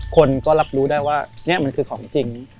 คนก็รับรู้ได้ว่านี่มันคือของจริง